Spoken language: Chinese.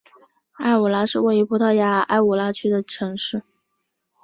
埃武拉是位于葡萄牙埃武拉区的城市。